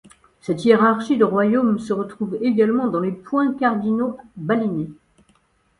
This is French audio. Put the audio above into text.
Cette hiérarchie de royaume se retrouve également dans les points cardinaux balinais.